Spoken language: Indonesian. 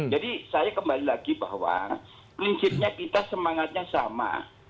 jadi saya kembali lagi bahwa prinsipnya kita semangatnya sama